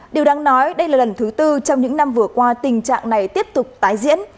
điều đáng nói đây là lần thứ tư trong những năm vừa qua tình trạng này tiếp tục tái diễn